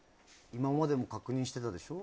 今までも確認してたでしょ。